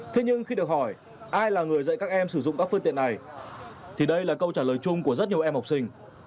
thế nhưng khi được hỏi ai là người dạy các em sử dụng các phương tiện này thì đây là câu trả lời chung của rất nhiều em học sinh